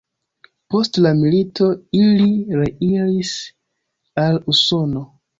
Post la milito ili reiris al Usono.